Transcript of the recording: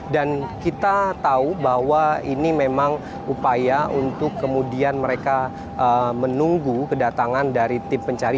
dan kita tahu bahwa ini memang upaya untuk kemudian mereka menunggu kedatangan dari tim pencari